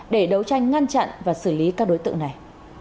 để đấu tranh ngăn chặn và xử lý các đối tượng này